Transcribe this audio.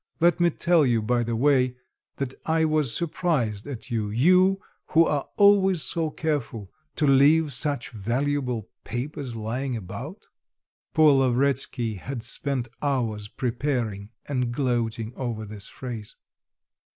Let me tell you by the way, that I was surprised at you; you, who are always so careful, to leave such valuable papers lying about." (Poor Lavretsky had spent hours preparing and gloating over this phrase.)